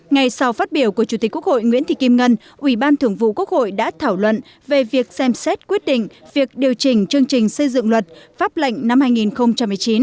ngày sau phát biểu của chủ tịch quốc hội nguyễn thị kim ngân ủy ban thường vụ quốc hội đã thảo luận về việc xem xét quyết định việc điều chỉnh chương trình xây dựng luật pháp lệnh năm hai nghìn một mươi chín